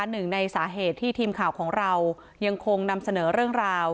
หนึ่งในสาเหตุที่ทีมข่าวของเรายังคงนำเสนอเรื่องราว